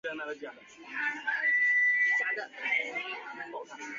她是村里第一个新娘